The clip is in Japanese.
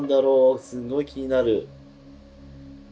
すごい気になる。